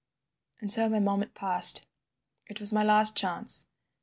"And so my moment passed. "It was my last chance.